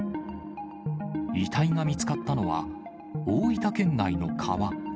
遺体が見つかったのは、大分県内の川。